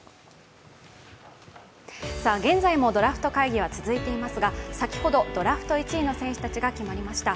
現在もドラフト会議は続いていますが、先ほどドラフト１位の選手たちが決まりました。